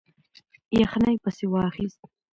یخنۍ پسې واخیست.